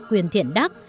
quyền thiện đắc